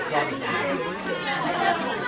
ขอบคุณครับ